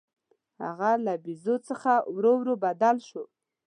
هغه له بیزو څخه ورو ورو بدل شو.